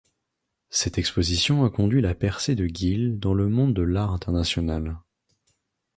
Cette exposition a conduit la percée de Gill dans le monde de l'art international.